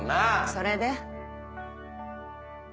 それで？